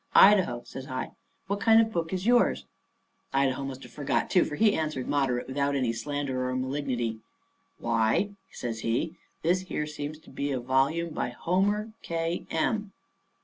"Idaho," says I, "what kind of a book is yours?" Idaho must have forgot, too, for he answered moderate, without any slander or malignity. "Why," says he, "this here seems to be a volume by Homer K. M."